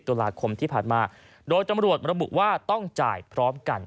ตุลาคมที่ผ่านมาโดยตำรวจระบุว่าต้องจ่ายพร้อมกัน